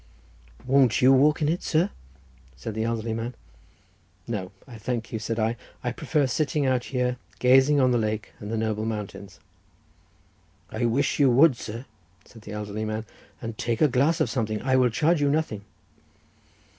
"Won't you walk in, sir?" said the elderly man. "No, I thank you," said I; "I prefer sitting out here, gazing on the lake and the noble mountains." "I wish you would, sir," said the elderly man, "and take a glass of something; I will charge you nothing."